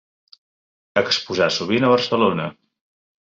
Exposà sovint a Barcelona.